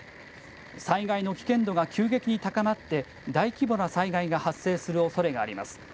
災害の危険度が急激に高まって、大規模な災害が発生するおそれがあります。